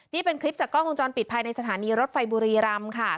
นี่เป็นคลิปจากกล้องวงจรปิดภายในสถานีรถไฟบุรีรำค่ะ